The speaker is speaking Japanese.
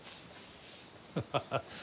ハハハ。